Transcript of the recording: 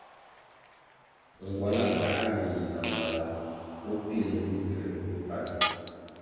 Ngwala ka ñe yi na mala o pil mimbvū mi pan.